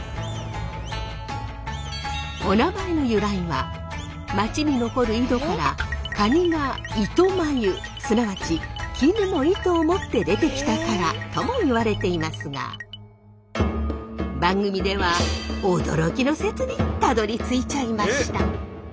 お名前の由来は町に残る井戸からカニが糸繭すなわち絹の糸を持って出てきたからともいわれていますが番組ではオドロキの説にたどりついちゃいました。